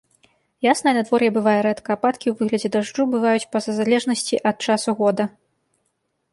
Яснае надвор'е бывае рэдка, ападкі ў выглядзе дажджу бываюць па-за залежнасці ад часу года.